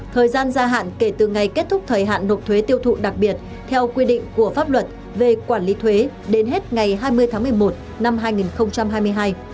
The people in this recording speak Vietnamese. thời gian gia hạn kể từ ngày kết thúc thời hạn nộp thuế tiêu thụ đặc biệt theo quy định của pháp luật về quản lý thuế đến hết ngày hai mươi tháng một mươi một năm hai nghìn hai mươi hai